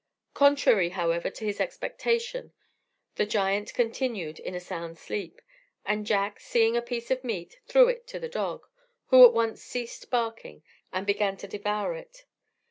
Contrary, however, to his expectation, the giant continued in a sound sleep, and Jack, seeing a piece of meat, threw it to the dog, who at once ceased barking, and began to devour it.